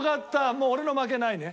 もう俺の負けないね？